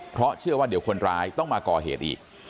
เพราะเชื่อว่าเดี๋ยวคนร้ายต้องมาก่อเหตุอีก